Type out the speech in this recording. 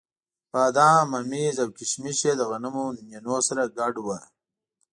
بادام، ممیز او کېشمش یې د غنمو نینو سره ګډ وو.